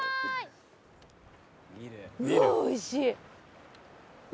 おいしい。